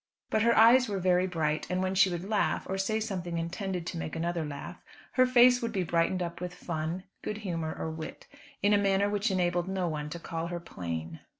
But her eyes were very bright, and when she would laugh, or say something intended to make another laugh, her face would be brightened up with fun, good humour, or wit, in a manner which enabled no one to call her plain.